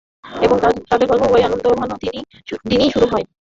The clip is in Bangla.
এবং আমাদের গল্প ঐ আনন্দঘন দিনেই শুরু হয়।